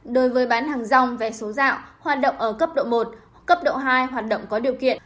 đối với bán hàng rong vé số dạo hoạt động ở cấp độ một cấp độ hai hoạt động có điều kiện